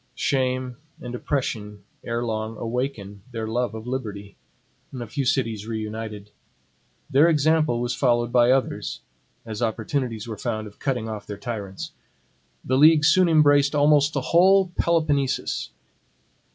Shame and oppression erelong awaken their love of liberty. A few cities reunited. Their example was followed by others, as opportunities were found of cutting off their tyrants. The league soon embraced almost the whole Peloponnesus.